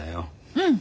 うん！